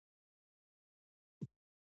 هغه پر څوکۍ کېناست او یو ډبل سګرټ یې بل کړ